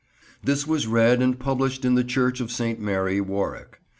This was read and published in the church of St. Mary, Warwick.